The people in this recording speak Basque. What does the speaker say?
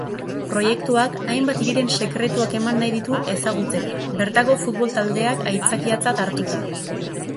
Proiektuak hainbat hiriren sekretuak eman nahi ditu ezagutzera, bertako futbol-taldeak aitzakiatzat hartuta.